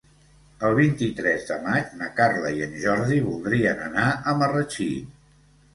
El vint-i-tres de maig na Carla i en Jordi voldrien anar a Marratxí.